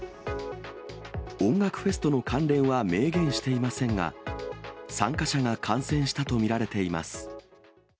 音楽フェスとの関連は明言していませんが、参加者が感染したと見られています。